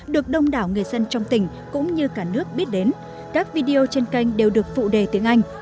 được đông đảo người dân trong tỉnh cũng như cả nước biết đến các video trên kênh đều được phụ đề tiếng anh